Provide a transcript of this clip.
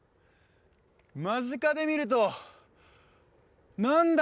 間近で見ると何だ？